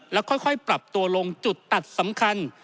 แล้วค่อยปรับตัวลงจุดตัดสำคัญ